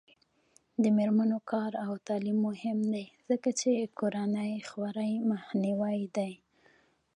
د میرمنو کار او تعلیم مهم دی ځکه چې کورنۍ خوارۍ مخنیوی دی.